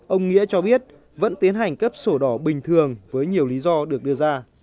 ông nghĩa cho biết vẫn tiến hành cấp sổ đỏ bình thường với nhiều lý do được đưa ra